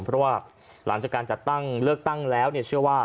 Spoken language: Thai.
เพราะว่าหลังจากการจัดเลือกตั้งแล้ว